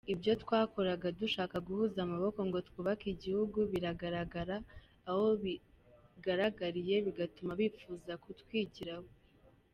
Ibyo twakoraga dushaka guhuza amaboko ngo twubake igihugu biragaragara, abo bigaragariye bigatuma bifuza kutwigiraho.